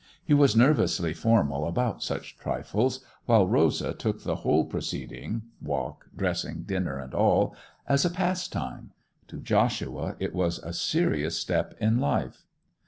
He was nervously formal about such trifles, while Rosa took the whole proceeding—walk, dressing, dinner, and all—as a pastime. To Joshua it was a serious step in life.